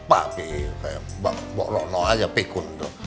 pak pi kayak mbak boro no aja pikun tuh